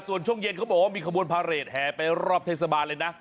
ส่วนช่วงเย็นเขาบอกว่ามีขบวนพาเรทแห่ไปรอบเทศบาลเลยนะ